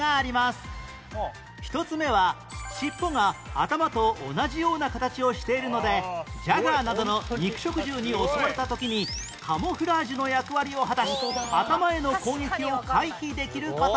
１つ目は尻尾が頭と同じような形をしているのでジャガーなどの肉食獣に襲われた時にカムフラージュの役割を果たし頭への攻撃を回避できる事